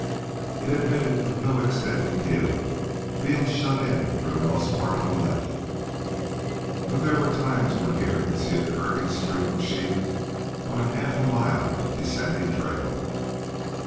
It admitted of no extended view, being shut in for the most part on the left, but there were times when Hare could see a curving stream of sheep on half a mile of descending trail.